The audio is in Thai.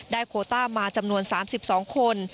โคต้ามาจำนวน๓๒คน